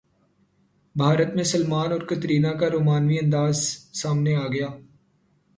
بھارت میں سلمان اور کترینہ کا رومانوی انداز سامنے اگیا